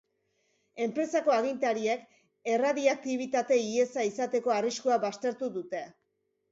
Enpresako agintariek erradiaktibitate-ihesa izateko arriskua baztertu dute.